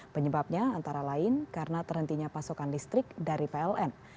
penyebabnya antara lain karena terhentinya pasokan listrik dari pln